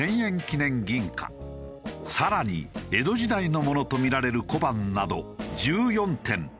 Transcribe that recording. さらに江戸時代のものとみられる小判など１４点。